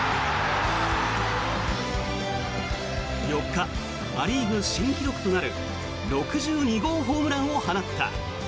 ４日、ア・リーグ新記録となる６２号ホームランを放った。